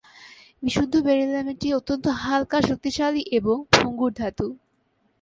বিশুদ্ধ বেরিলিয়াম একটি অত্যন্ত হালকা, শক্তিশালী এবং ভঙ্গুর ধাতু।